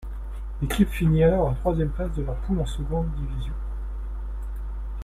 L'équipe finit alors à la troisième place de leur poule en seconde division.